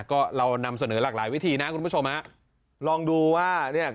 ก็เรานำเสนอหลากหลายวิธีนะคุณผู้ชมฮะลองดูว่าเนี่ย